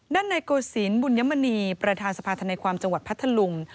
ในโกศิลป์บุญยมณีประธานสภาธนาความจังหวัดพัทธลุง